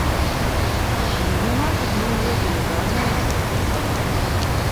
З ім у нас, зноў жа, велізарнае адмоўнае сальда.